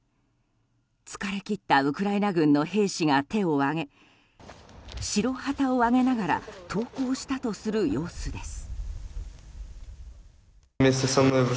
疲れ切ったウクライナ軍の兵士が手を上げ白旗を揚げながら投降したとする様子です。